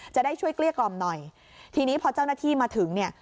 จะได้ช่วยเกลี้ยกล่อมหน่อยทีนี้พอเจ้าหน้าที่มาถึงเนี่ย